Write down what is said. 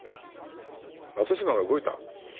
松島が動いた？